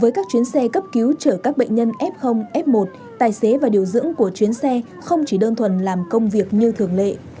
với các chuyến xe cấp cứu chở các bệnh nhân f f một tài xế và điều dưỡng của chuyến xe không chỉ đơn thuần làm công việc như thường lệ